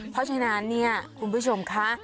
เพราะฉะนั้นเนี่ยคุณผู้ชมค่ะ